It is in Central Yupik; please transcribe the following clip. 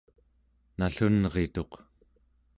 nallunrituq